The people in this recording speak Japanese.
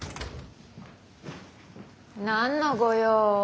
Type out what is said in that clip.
何のご用？